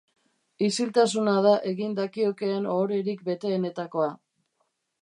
Isiltasuna da egin dakiokeen ohorerik beteenetakoa.